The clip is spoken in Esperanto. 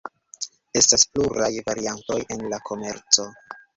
Estas pluraj variantoj en la komerco.